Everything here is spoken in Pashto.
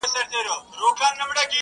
ما به د سترگو کټوري کي نه ساتل گلونه!